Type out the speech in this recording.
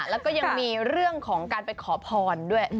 แล้วก็ยังมีเรื่องของการไปขอพรด้วย